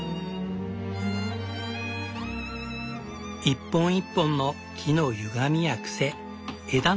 一本一本の木のゆがみや癖枝の跡。